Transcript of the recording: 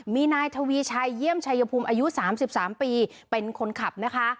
มีนายทวีชัยเยี่ยมชายภูมิอายุ๓๓ปีเป็นคนขับนะคะ